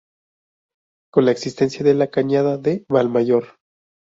Con la existencia de la Cañada de Valmayor-.